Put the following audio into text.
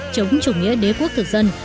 chống chủ nghĩa đế quốc thực dân